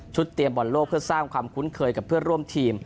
เตรียมบอลโลกเพื่อสร้างความคุ้นเคยกับเพื่อนร่วมทีม